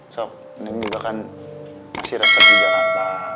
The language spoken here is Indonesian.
saya juga kan masih resep di jakarta